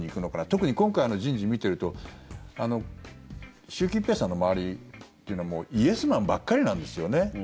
特に今回の人事を見ていると習近平さんの周りというのはもうイエスマンばっかりなんですよね。